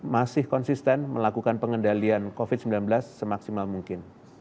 masih konsisten melakukan pengendalian covid sembilan belas semaksimal mungkin